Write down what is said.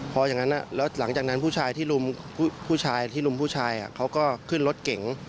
พอจากนั้นแล้วหลังจากนั้นผู้ชายที่ลุมผู้ชายเขาก็ขึ้นรถเก่ง